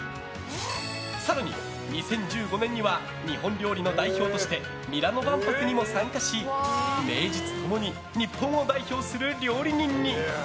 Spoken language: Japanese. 更に２０１５年には日本料理の代表としてミラノ万博にも参加し名実共に日本を代表する料理人に。